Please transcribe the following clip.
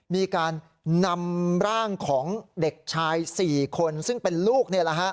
มีการนำร่างของเด็กชาย๔คนซึ่งเป็นลูก